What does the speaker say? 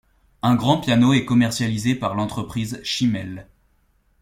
Un grand piano est commercialisé par l'entreprise Schimmel.